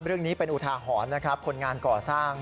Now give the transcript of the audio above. เรื่องนี้เป็นอุทาหรณ์นะครับคนงานก่อสร้าง